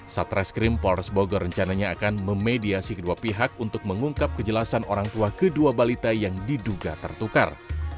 satreskrim polres bogor rencananya akan memediasi kedua pihak untuk mengungkap kejelasan orang tua kedua balita yang diduga tertukar